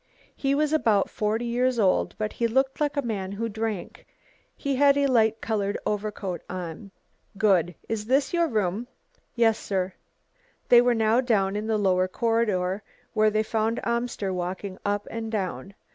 "He was about forty years old, but he looked like a man who drank. He had a light coloured overcoat on." "Good. Is this your room?" "Yes, sir." They were now in the lower corridor, where they found Amster walking up and down.